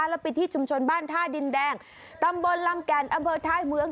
แล้วไปที่ชุมชนบ้านท่าดินแดงตำบลลำแก่นอำเภอท้ายเหมือง